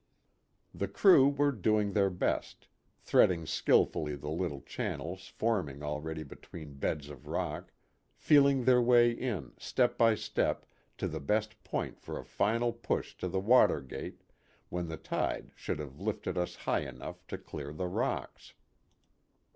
The crew were doing their best threading skillfully the little channels forming already between beds of rock, feeling their way in, step by step, to the best point for a final push to the water gate when the tide should have lifted us high enough to clear the rocks.